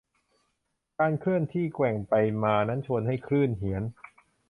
การเคลื่อนที่แกว่งไปมานั้นชวนให้คลื่นเหียน